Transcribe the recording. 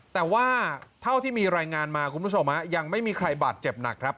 แต่ว่าเท่าที่มีรายงานมาคุณผู้ชมยังไม่มีใครบาดเจ็บหนักครับ